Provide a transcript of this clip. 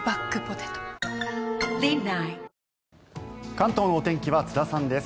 関東のお天気は津田さんです。